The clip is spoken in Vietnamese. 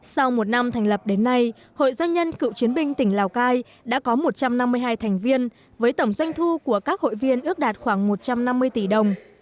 sau một năm thành lập đến nay hội doanh nhân cựu chiến binh tỉnh lào cai đã có một trăm năm mươi hai thành viên với tổng doanh thu của các hội viên ước đạt khoảng một trăm năm mươi tỷ đồng